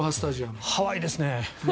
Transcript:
ハワイですね。